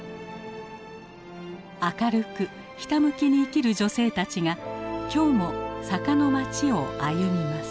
明るくひたむきに生きる女性たちが今日も坂の街を歩みます。